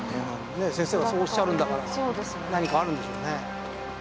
先生がそうおっしゃるんだから何かあるんでしょうね。